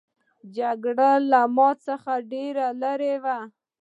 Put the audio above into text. جګړه له ما څخه ډېره لیري وه.